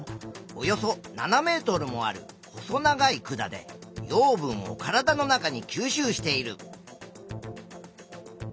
およそ７ｍもある細長い管で養分を体の中に吸収している。